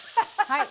はい。